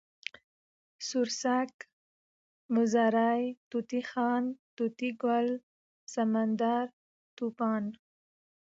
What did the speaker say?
سوړسک، زمری، طوطی خان، طوطي ګل، سمندر، طوفان